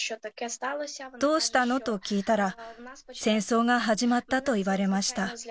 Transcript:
どうしたの？と聞いたら、戦争が始まったと言われました。